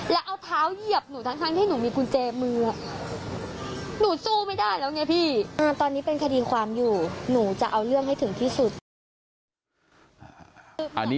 แล้วเอาเท้าเหยียบหนูทั้งทั้งที่หนูมีกุญเจมือหนูสู้ไม่ได้แล้วไงพี่